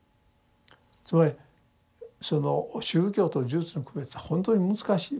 つまりその宗教と呪術の区別はほんとに難しい。